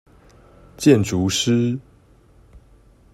建築師